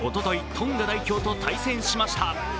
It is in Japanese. トンガ代表と対戦しました。